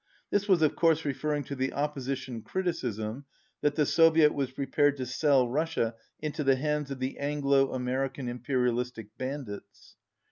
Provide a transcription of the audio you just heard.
This was, of course, referring to the opposition criticism that the Soviet was prepared to sell Russia into the hands of the "Anglo American Imperialistic bandits."